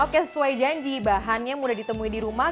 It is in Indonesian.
oke sesuai janji bahannya mudah ditemui di rumah